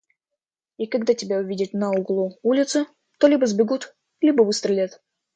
и когда тебя увидят на углу улицы, то либо сбегут, либо выстрелят.